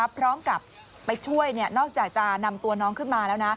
พร้อมกับไปช่วยนอกจากจะนำตัวน้องขึ้นมาแล้วนะ